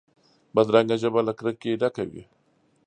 بدرنګه ژبه له کرکې ډکه وي